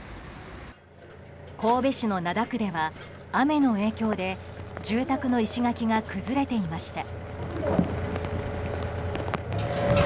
神戸市の灘区では雨の影響で住宅の石垣が崩れていました。